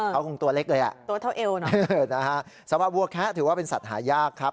เขาคงตัวเล็กเลยอ่ะตัวเท่าเอวนะสำหรับวัวแคะถือว่าเป็นสัตว์หายากครับ